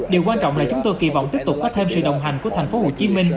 điều quan trọng là chúng tôi kỳ vọng tiếp tục có thêm sự đồng hành của tp hcm